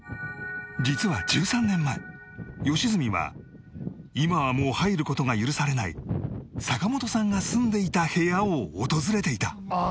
実は１３年前良純は今はもう入る事が許されない坂本さんが住んでいた部屋を訪れていた